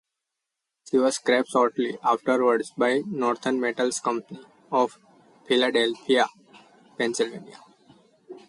She was scrapped shortly afterwards by Northern Metals Company of Philadelphia, Pennsylvania.